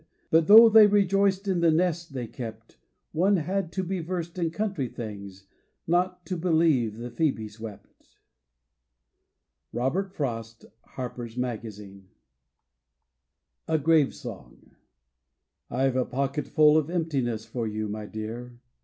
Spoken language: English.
But though they rejoiced in the nest they kept. One had to be versed in country things Not to believe the phcebes wept. Robert Frost — Harper'* Magaaine A GRAVE SONG I*ve a pocketful of emptiness for you, my Dear.